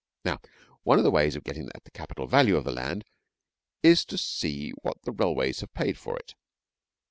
Now, one of the ways of getting at the capital value of the land is to see what the railways have paid for it.